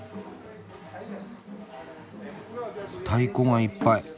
太鼓がいっぱい。